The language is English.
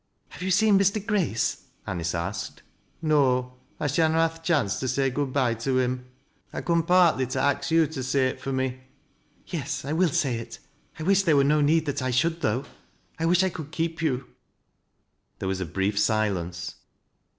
" Have you seen Mr. Grace ?" Anice asked. " 'So. I shanna ha' th' chance to say good bye to him. [ coom partly to ax yo' to say it fur me." "Yes, I will say it. I wish there were no need that 1 should, though. I wish I could keep you." There was a brief silence.